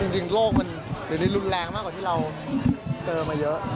จริงโลกมันเดี๋ยวนี้รุนแรงมากกว่าที่เราเจอมาเยอะ